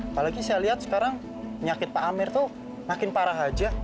apalagi saya lihat sekarang nyakit pak amir tuh makin parah aja